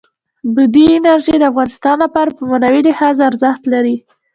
بادي انرژي د افغانانو لپاره په معنوي لحاظ ارزښت لري.